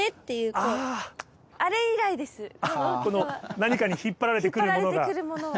何かに引っ張られて来るものが。